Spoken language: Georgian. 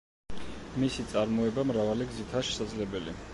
მისი წარმოება მრავალი გზითაა შესაძლებელი.